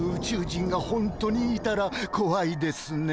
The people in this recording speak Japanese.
人がほんとにいたらこわいですね。